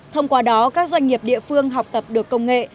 thông qua đó các doanh nghiệp địa phương học tập được công nghệ